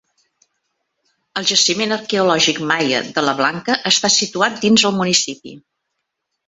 El jaciment arqueològic maia de La Blanca està situat dins el municipi.